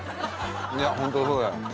いやホントそうだよ。